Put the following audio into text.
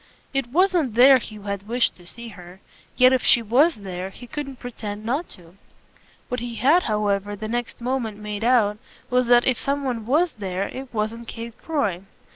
It wasn't there he had wished to see her; yet if she WAS there he couldn't pretend not to. What he had however the next moment made out was that if some one was there it wasn't Kate Croy.